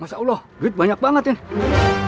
masya allah duit banyak banget ya